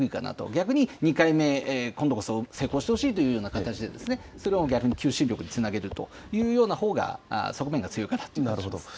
逆に、２回目、今度こそ成功してほしいというような形で、それも逆に求心力につなげるというようなほうが側面が強いかなとなるほど。